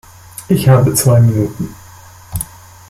Ich habe zwei Minuten.